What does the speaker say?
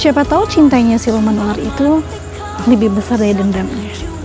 siapa tau cintanya senuman ular itu lebih besar dari dendamnya